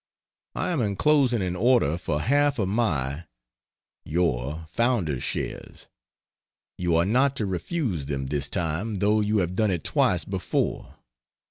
I am enclosing an order for half of my (your) Founders shares. You are not to refuse them this time, though you have done it twice before.